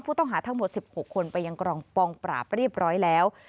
ผู้ต้องหาทั้งหมด๑๖คนไปยังกองปราบเรียบร้อยแล้ว